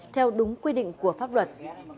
theo đúng quy định của pháp luật